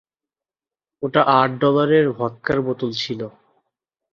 ওটা আট ডলারের ভদকার বোতল ছিল!